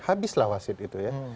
habislah wasit itu ya